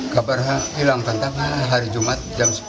kabar hilang tampaknya hari jumat jam sepuluh